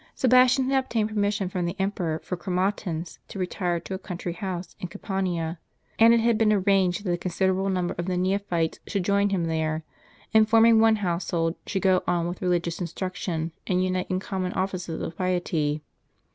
Sebastian had obtained permission from the emperor for Chromatins to retire to a country house in Cam pania; and it had been aiTanged that a considerable number of the neophytes should join him there, and, forming one household, should go on with religious instruction, and unite in common offices of piety.